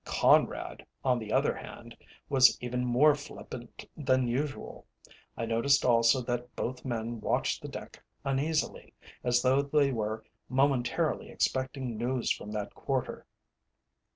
Conrad, on the other hand, was even more flippant than usual. I noticed also that both men watched the deck uneasily, as though they were momentarily expecting news from that quarter.